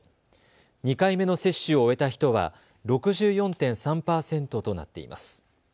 ２回目の接種を終えた人は６４．３％となっています。